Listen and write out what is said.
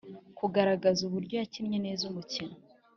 kugaragaza uburyo yakinnye neza umukino,